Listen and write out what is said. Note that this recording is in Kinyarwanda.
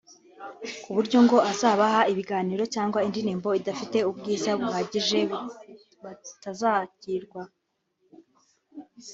ku buryo ngo abazabaha ibiganiro cyangwa indirimo idafite ubwiza buhagije bitazakirwa